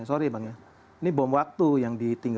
tapi ada bom waktu ini bang